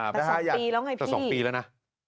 แต่๓ปีแล้วไงแต่๒ปีแล้วนะ